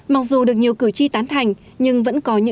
mặc dù được nhiều cử tri tán thành